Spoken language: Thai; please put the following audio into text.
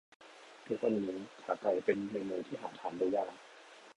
ทุกวันนี่ ขาไก่เป็นเมนูที่หาทานได้ยาก